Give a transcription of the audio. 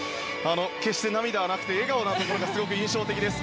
決して涙はなくて笑顔なところがすごく印象的です。